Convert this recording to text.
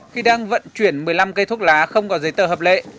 khi đang vận chuyển một mươi năm cây thuốc lá không có giấy tờ hợp lệ